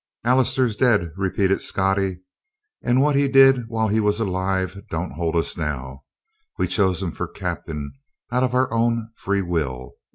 "Allister's dead," repeated Scottie, "and what he did while he was alive don't hold us now. We chose him for captain out of our own free will.